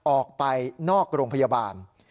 ออกไปนอกโรงพยาบาล